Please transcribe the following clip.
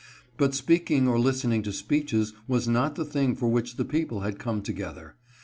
But speaking or listening to speeches was not the thing for which the people had come together.